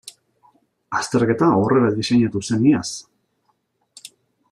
Azterketa horrela diseinatu zen iaz.